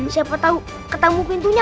siapa tau ketemu pintunya